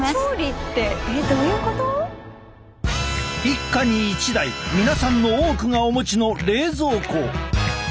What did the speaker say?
一家に一台皆さんの多くがお持ちの冷蔵庫。